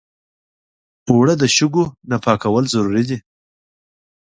اوړه د شګو نه پاکول ضروري دي